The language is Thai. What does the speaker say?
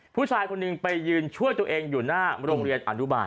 ผู้ชายคนหนึ่งไปยืนช่วยตัวเองอยู่หน้าโรงเรียนอนุบาล